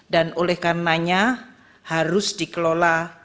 dan oleh karenanya harus dikelola